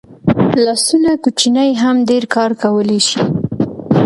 لاسونه کوچني هم ډېر کار کولی شي